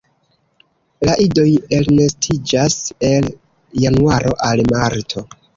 La idoj elnestiĝas el januaro al marto.